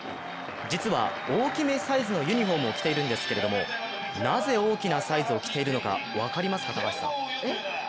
実は大きめサイズのユニフォームを着ているんですけれどもなぜ大きなサイズを着ているのか分かりますか、高橋さん。